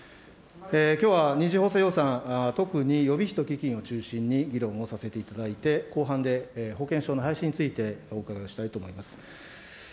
きょうは２次補正予算、特に予備費とを中心に議論をさせていただいて、後半で保険証の廃止についてお伺いをしたいと思います。